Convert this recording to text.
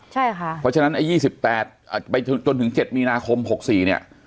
ใช่ค่ะเพราะฉะนั้นไอ้๒๘ไปจนถึง๗มีนาคม๖๔เนี่ย